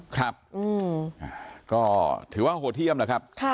ครับก็ถือว่าโหดเยี่ยมนะครับ